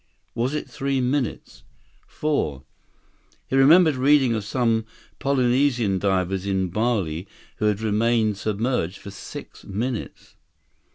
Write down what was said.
Was it three minutes? Four? He remembered reading of some Polynesian divers in Bali who had remained submerged for six minutes.